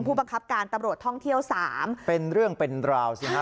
ผู้บังคับการตำรวจท่องเที่ยวสามเป็นเรื่องเป็นราวสิฮะ